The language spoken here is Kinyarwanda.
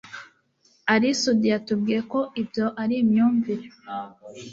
Ally Soudy yatubwiye ko ibyo ari imyunvire